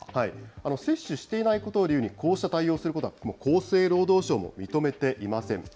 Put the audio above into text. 接種していないことを理由にこうした対応をすることは厚生労働省も認めていません。